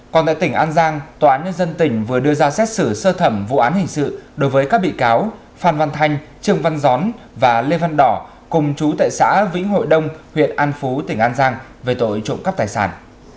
còn tại tỉnh an giang tòa án nhân dân tỉnh vừa đưa ra xét xử sơ thẩm vụ án hình sự đối với các bị cáo phan văn thanh trương văn gión và lê văn đỏ cùng chú tại xã vĩnh hội đông huyện an phú tỉnh an giang về tội trộm cắp tài sản